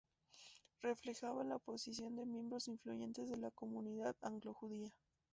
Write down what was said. Reflejaba la oposición de miembros influyentes de la comunidad anglo-judía.